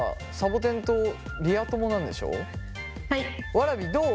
わらびどう？